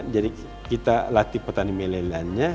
jadi kita latih petani melelannya